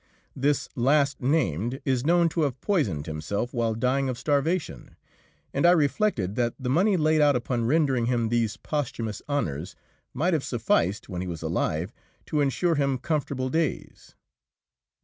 This last named is known to have poisoned himself while dying of starvation, and I reflected that the money laid out upon rendering him these posthumous honours might have sufficed, when he was alive, to insure him comfortable days.